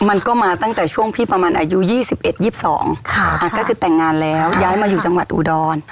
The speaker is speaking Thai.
มันก็มาตั้งแต่ช่วงพี่ประมาณอายุ๒๑๒๒ก็คือแต่งงานแล้วย้ายมาอยู่จังหวัดอุดร